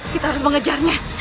kita harus mengejarnya